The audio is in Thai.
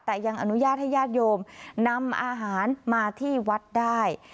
แต่ยังอนุญาตให้ญาติโยมนำอาหารมาที่วัดได้